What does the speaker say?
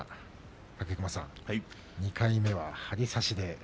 武隈さん、２回目は張り差しで。